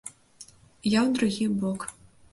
Я ў другі бок.